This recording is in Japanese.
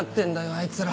あいつら。